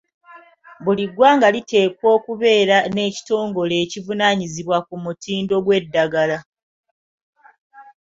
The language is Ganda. Buli ggwanga liteekwa okubeera n’ekitongole ekivunaanyizibwa ku mutindo gw’eddagala.